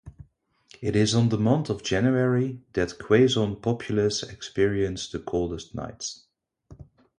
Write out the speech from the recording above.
It is on the month of January that Quezon populace experience the coldest nights.